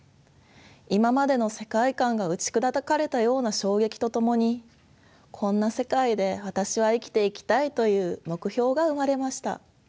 今までの世界観が打ち砕かれたような衝撃とともに「こんな世界で私は生きていきたい」という目標が生まれました。